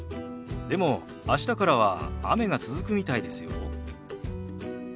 でも明日からは雨が続くみたいですよ。